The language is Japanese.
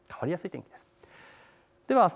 変わりやすい天気です。